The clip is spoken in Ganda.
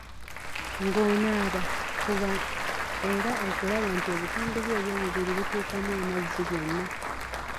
Ng'onaaba, fuba era okulaba nti ebitundu byo ebyomubiri bituukamu amazzi byonna.